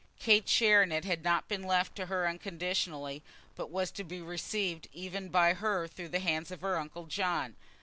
Kate's share in it had not been left to her unconditionally, but was to be received even by her through the hands of her uncle John.